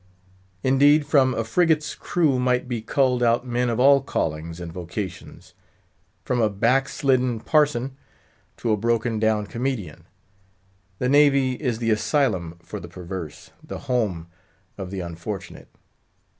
Indeed, from a frigate's crew might he culled out men of all callings and vocations, from a backslidden parson to a broken down comedian. The Navy is the asylum for the perverse, the home of the unfortunate.